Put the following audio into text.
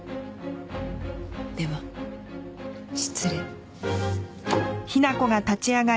では失礼。